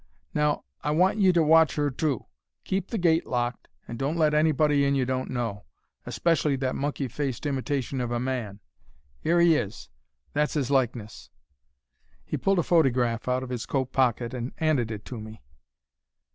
Now, I want you to watch 'er, too. Keep the gate locked, and don't let anybody in you don't know. Especially that monkey faced imitation of a man. Here 'e is. That's his likeness.' "He pulled a photygraph out of 'is coatpocket and 'anded it to me.